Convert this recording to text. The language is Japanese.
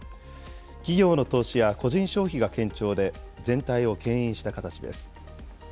企業の投資や個人消費が堅調で、全体をけん引した形です。